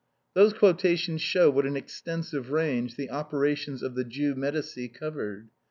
These quotations show what an extensive range the opera tions of the Jew Medicis covered.